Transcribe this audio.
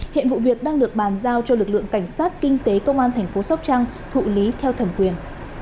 hiện vụ việc đang được bàn giao cho lực lượng cảnh sát kinh tế công an thành phố sóc trăng thụ lý theo thẩm quyền